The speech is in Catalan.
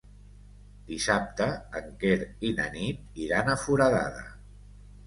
Dissabte en Quer i na Nit iran a Foradada.